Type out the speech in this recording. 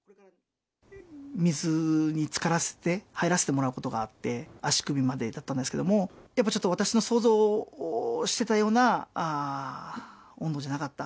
水につからせて入らせてもらうことがあって、足首までだったんですけれども、やっぱりちょっと、私の想像してたような温度じゃなかった。